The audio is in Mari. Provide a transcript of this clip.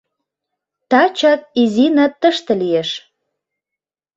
Тачак Изина тыште лиеш!..